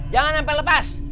jangan sampai lepas